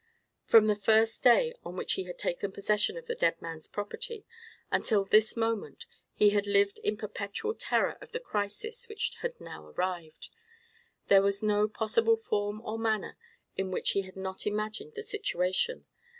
From the first day on which he had taken possession of the dead man's property until this moment he had lived in perpetual terror of the crisis which had now arrived. There was no possible form or manner in which he had not imagined the situation.